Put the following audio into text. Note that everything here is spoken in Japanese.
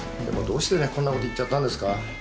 でもどうしてこんな事言っちゃったんですか？